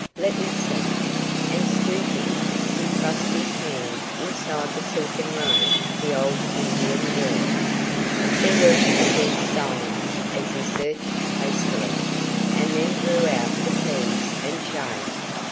Let me see," and stooping, he thrust his hand inside the silken robe the old Indian wore. There was a dead silence as he searched hastily, and then drew out the keys and chain.